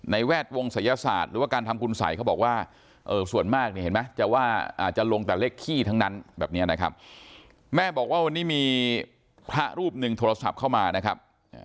แวดวงศัยศาสตร์หรือว่าการทำคุณสัยเขาบอกว่าส่วนมากเนี่ยเห็นไหมจะว่าอาจจะลงแต่เลขขี้ทั้งนั้นแบบนี้นะครับแม่บอกว่าวันนี้มีพระรูปหนึ่งโทรศัพท์เข้ามานะครับ